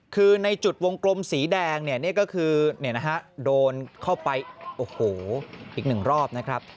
คือในจุดวงกลมสีแดงเนี่ยนี่ก็คือโดนเข้าไปโอ้โหอีกหนึ่งรอบนะครับ